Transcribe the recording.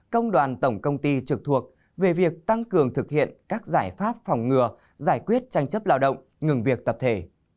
công đoàn tổng công ty trực thuộc về việc tăng cường thực hiện các giải pháp phòng ngừa giải quyết tranh chấp lao động ngừng việc tập thể